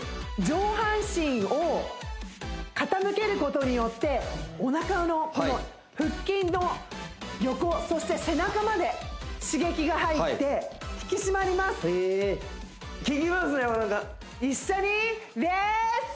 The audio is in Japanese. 上半身を傾けることによっておなかのこの腹筋の横そして背中まで刺激が入って引き締まります一緒にレッツ！